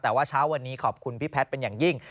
แต่ว่าเช้าวันนี้ขอบคุณพี่แพทย์เป็นอย่างยิ่ง